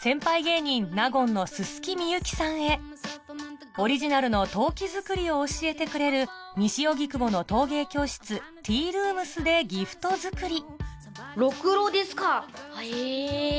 先輩芸人納言の薄幸さんへオリジナルの陶器作りを教えてくれる西荻窪の陶芸教室Ｔ−ＲＯＯＭＳでギフト作りろくろですかへぇ。